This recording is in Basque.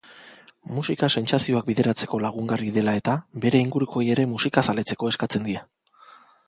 Musika sentsazioak bideratzeko lagungarri dela eta bere ingurukoei ere musikazaletzeko eskatzen die.